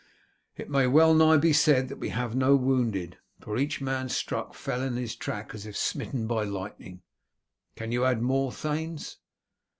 It may well nigh be said that we have no wounded, for each man struck fell in his track as if smitten by lightning. Can you add more, thanes?"